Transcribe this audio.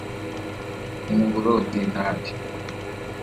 nimuboroge nabi.